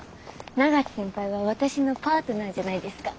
永瀬先輩は私のパートナーじゃないですか。